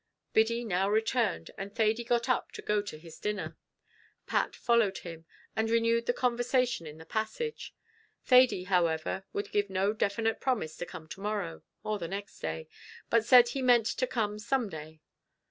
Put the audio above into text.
Biddy now returned, and Thady got up to go to his dinner; Pat followed him, and renewed the conversation in the passage. Thady, however, would give no definite promise to come to morrow, or the next day, but said he meant to come some day.